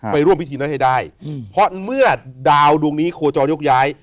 ร่วมพิธีนั้นให้ได้เพราะเมื่อดาวดวงนี้โคจรยกย้าย